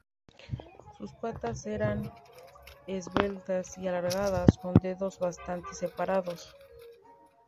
Sus patas eran esbeltas y alargadas, con dedos bastante separados.